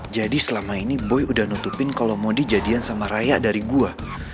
jadi selama ini boy udah nutupin kalo mau dijadian sama raya dari gue